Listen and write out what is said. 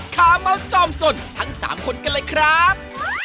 ขาเมาส์จอมสนทั้ง๓คนกันเลยครับ